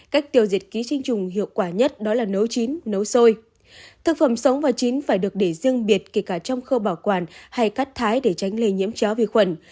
cách tiêu diệt ký sinh trùng hiệu quả nhất đó là nấu chín nấu sôi